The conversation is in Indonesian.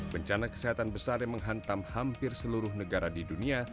bencana kesehatan besar yang menghantam hampir seluruh negara di dunia